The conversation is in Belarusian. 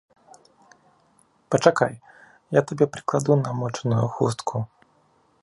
Пачакай, я табе прыкладу намочаную хустку.